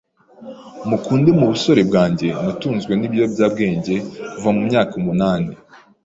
mukunde mu busore bwanjye natunzwe n’ibiyobyabwenge kuva ku myaka umunani